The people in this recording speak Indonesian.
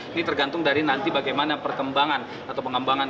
ini tergantung dari nanti bagaimana perkembangan atau pengembangan